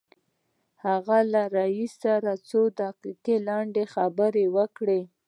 هغه له رئيس سره څو دقيقې لنډې خبرې وکړې.